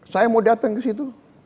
saya mau datang kesitu